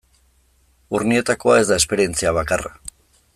Urnietakoa ez da esperientzia bakarra.